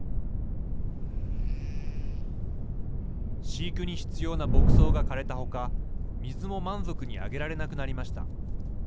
飼育に必要な牧草が枯れた他水も満足にあげられなくなりました。